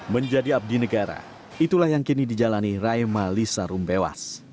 menjadi abdi negara itulah yang kini dijalani raima lisa rumbewas